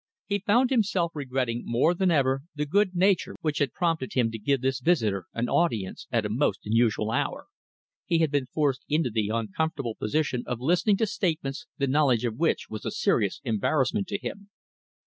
He found himself regretting more than ever the good nature which had prompted him to give this visitor an audience at a most unusual hour. He had been forced into the uncomfortable position of listening to statements the knowledge of which was a serious embarrassment to him.